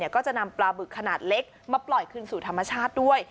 ก็จะนำปลาบึกขนาดเล็กมาปล่อยคืนสู่ธรรมชาติด้วย